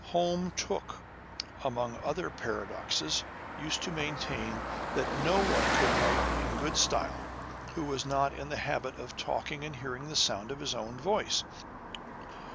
Home Tooke, among other paradoxes, used to maintain, that no one could write a good style who was not in the habit of talking and hearing the sound of his own voice.